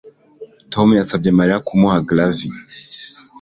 Tom yasabye Mariya kumuha gravy